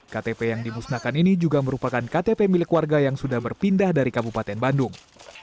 ktp yang dimusnahkan ini juga merupakan ktp milik warga yang sudah berpindah dari kabupaten bandung